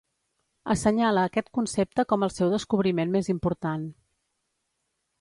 Assenyala aquest concepte com el seu descobriment més important.